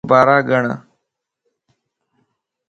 پيسادو بارا گڻ